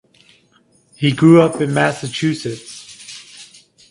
He grew up in Massachusetts.